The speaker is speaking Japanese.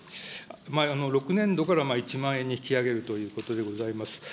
６年度から１万円に引き上げるということでございます。